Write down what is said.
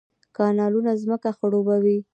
کانالونه ځمکې خړوبوي